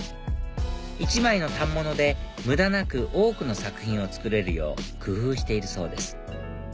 １枚の反物で無駄なく多くの作品を作れるよう工夫しているそうです